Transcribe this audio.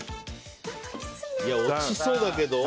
落ちそうだけど。